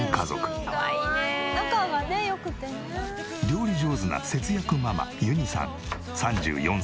料理上手な節約ママゆにさん３４歳。